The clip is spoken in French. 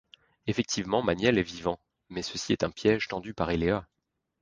Effectivement Maniel est vivant mais ceci est un piège tendu par Éléa.